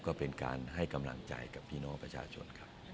ก็เป็นการให้กำลังใจกับพี่น้องประชาชนครับ